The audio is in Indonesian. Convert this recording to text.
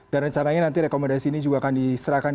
dan rencananya nanti rekomendasi ini juga akan diserahkan